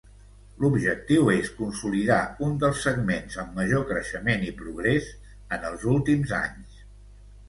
L'objectiu és consolidar un dels segments amb major creixement i progrés en els últims anys.